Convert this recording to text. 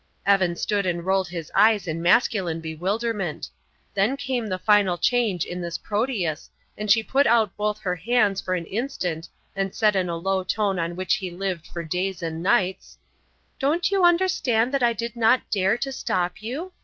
Evan stood and rolled his eyes in masculine bewilderment. Then came the final change in this Proteus, and she put out both her hands for an instant and said in a low tone on which he lived for days and nights: "Don't you understand that I did not dare to stop you?